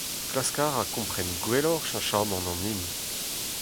Klask a ra kompren gwelloc'h cheñchamant an hin…